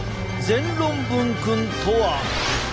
全論文くんとは。